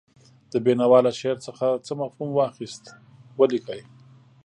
د بېنوا له شعر څخه څه مفهوم واخیست ولیکئ.